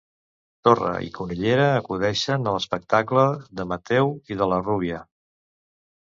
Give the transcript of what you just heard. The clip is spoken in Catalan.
Torra i Cunillera acudeixen a l'espectacle de Mathéu i de la Rubia.